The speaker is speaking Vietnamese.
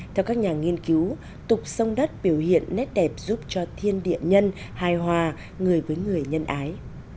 theo các nhà nghiên cứu tục sông đất biểu hiện nét đẹp giúp cho thiên điện nhân hài hòa người với người nhân ái